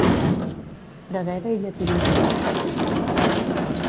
Prevere i llatinista.